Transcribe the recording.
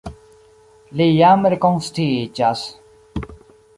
li jam rekonsciiĝas.